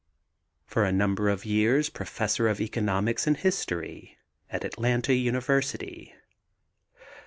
For a number of years professor of economics and history at Atlanta University.